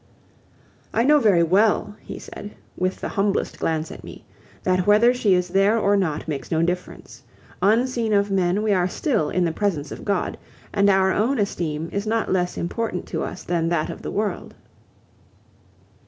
"I know very well," he said, with the humblest glance at me, "that whether she is there or not makes no difference. Unseen of men, we are still in the presence of God, and our own esteem is not less important to us than that of the world."